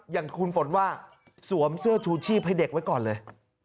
อย่างคุณฝนว่าสวมเสื้อชูชีพให้เด็กไว้ก่อนเลย